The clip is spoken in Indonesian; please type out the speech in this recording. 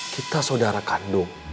kita saudara kandung